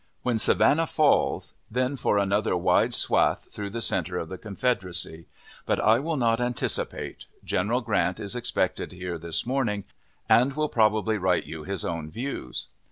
When Savannah falls, then for another wide swath through the centre of the Confederacy. But I will not anticipate. General Grant is expected here this morning, and will probably write you his own views.